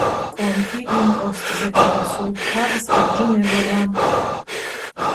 კონქი იმპოსტზე გადასულ თაღს ებჯინებოდა.